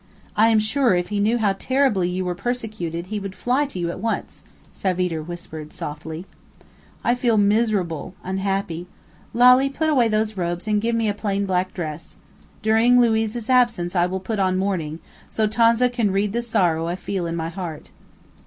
I am sure if he knew how terribly you were persecuted he would fly to you at once," Savitre whispered softly. "I feel miserable unhappy. Lalli, put away those robes and give me a plain black dress. During Luiz's absence I will put on mourning, so Tonza can read the sorrow I feel in my heart."